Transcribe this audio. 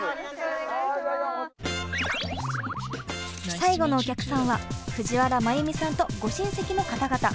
最後のお客さんは藤原まゆ美さんとご親戚の方々。